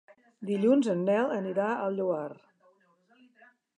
Dilluns en Nel anirà al Lloar.